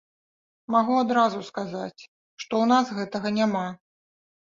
Магу адразу сказаць, што ў нас гэтага няма.